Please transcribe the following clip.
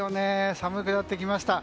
寒くなってきました。